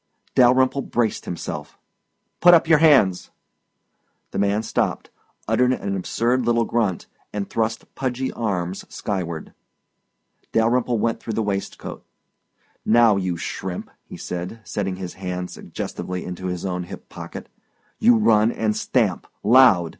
Dalyrimple braced himself. "Put up your hands!" The man stopped, uttered an absurd little grunt, and thrust pudgy arms skyward. Dalyrimple went through the waistcoat. "Now, you shrimp," he said, setting his hand suggestively to his own hip pocket, "you run, and stamp loud!